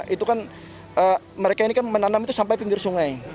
itu kan mereka ini kan menanam itu sampai pinggir sungai